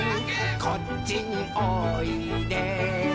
「こっちにおいで」